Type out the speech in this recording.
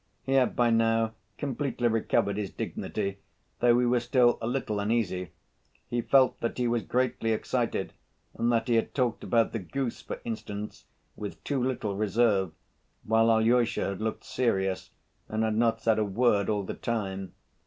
He had by now completely recovered his dignity, though he was still a little uneasy. He felt that he was greatly excited and that he had talked about the goose, for instance, with too little reserve, while Alyosha had looked serious and had not said a word all the time.